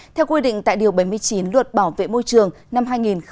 theo quy định tại điều bảy mươi chín luật bảo vệ môi trường năm hai nghìn hai mươi